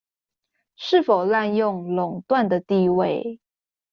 是否濫用壟斷的地位